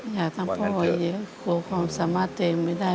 และอยากตั้งเป้าไว้เยอะควบความสามารถตัวเองไม่ได้